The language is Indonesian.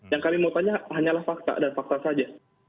yang kami mau tanya hanyalah fakta dan fakta saja